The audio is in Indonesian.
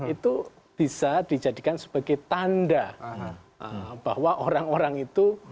itu bisa dijadikan sebagai tanda bahwa orang orang itu